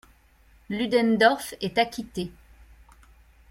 Ludendorff est acquitté.